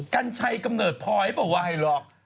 กันไชยกำเนิดพลอยบอกว่าให้รอก